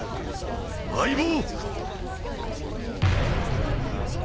相棒！